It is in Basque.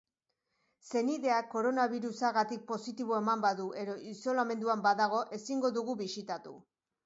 Senideak koronabirusagatik positibo eman badu edo isolamenduan badago, ezingo dugu bisitatu.